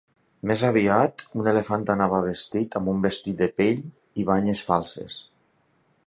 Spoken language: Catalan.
Més aviat, un elefant anava vestit amb un vestit de pell i banyes falses.